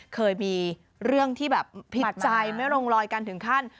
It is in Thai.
เคยมีเรื่องที่แบบผิดใจไม่ลงลอยกันถึงขั้น